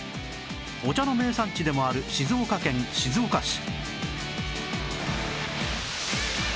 お茶の名産地でもある静岡県静岡市